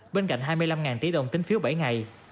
bên cạnh hai mươi năm tỷ đồng tính phiếu bảy ngày